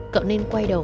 cậu nên quay đầu